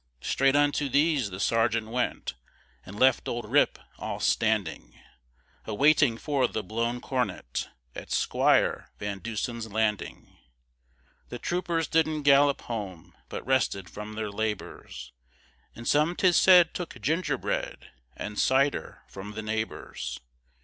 Strait unto these the sergeant went, And left old Rip, all standing, A waiting for the blown cornet, At Squire Van Deusen's landing. The troopers didn't gallop home, But rested from their labors; And some 'tis said took gingerbread And cider from the neighbors.